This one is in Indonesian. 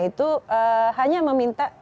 itu hanya meminta